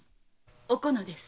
「おこの」です。